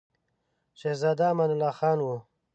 شهزاده امان الله خان وو.